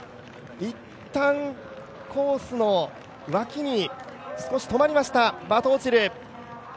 いったんコースの脇に少し止まりました、バトオチル。